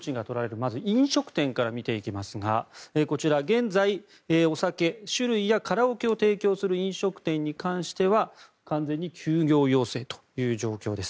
まず飲食店から見ていきますがこちら、現在、お酒・酒類やカラオケを提供する飲食店に関しては完全に休業要請という状況です。